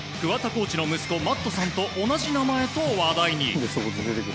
コーチの息子Ｍａｔｔさんと同じ名前と話題に。